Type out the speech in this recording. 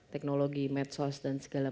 teknologi medsos dan segala